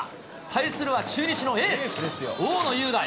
対するは中日のエース、大野雄大。